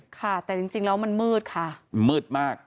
แต่จริงแล้วมันมืดค่ะ